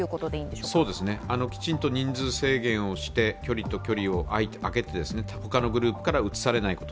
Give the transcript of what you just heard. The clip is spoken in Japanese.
そうですね、きちんと人数制限をして、距離と距離をあけて他のグループからうつされないこと。